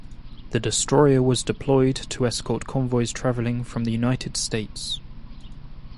The destroyer was deployed to escort convoys travelling from the United States.